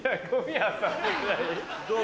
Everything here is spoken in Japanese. どう？